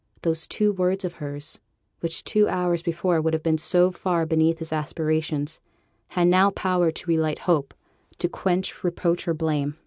Those two words of hers, which two hours before would have been so far beneath his aspirations, had now power to re light hope, to quench reproach or blame.